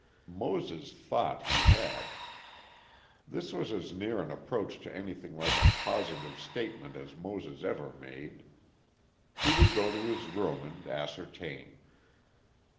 Moses thought he had. This was as near an approach to anything like a positive statement as Moses ever made. He would go to his room and ascertain.